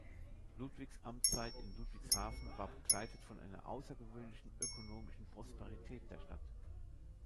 Ludwigs Amtszeit in Ludwigshafen war begleitet von einer außergewöhnlichen ökonomischen Prosperität der Stadt.